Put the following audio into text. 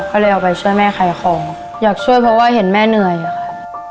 ก็เลยเอาไปช่วยแม่ขายของอยากช่วยเพราะว่าเห็นแม่เหนื่อยอะค่ะ